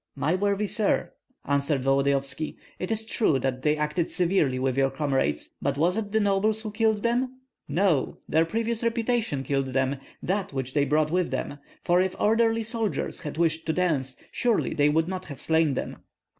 "My worthy sir," answered Volodyovski, "it is true that they acted severely with your comrades; but was it the nobles who killed them? No; their previous reputation killed them, that which they brought with them; for if orderly soldiers had wished to dance, surely they would not have slain them."